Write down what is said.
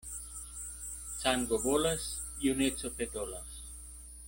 Sango bolas, juneco petolas.